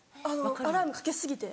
アラームかけ過ぎて。